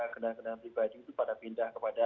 kendaraan kendaraan pribadi itu pada pindah kepada